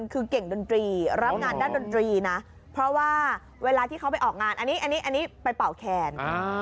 คือเก่งดนตรีรับงานด้านดนตรีนะเพราะว่าเวลาที่เขาไปออกงานอันนี้อันนี้ไปเป่าแคน